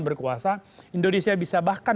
berkuasa indonesia bisa bahkan